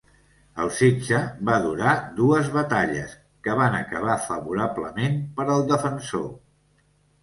El setge va durar dues batalles que van acabar favorablement per al defensor.